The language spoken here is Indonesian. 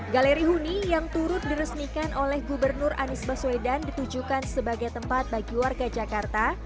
galeri huni yang turut diresmikan oleh gubernur anies baswedan ditujukan sebagai tempat bagi warga jakarta